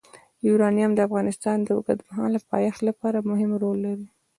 یورانیم د افغانستان د اوږدمهاله پایښت لپاره مهم رول لري.